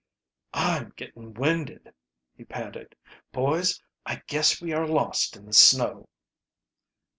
"I'm getting winded!" he panted. "Boys, I guess we are lost in the snow."